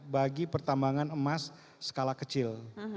bagi pertambangan emas skala kecil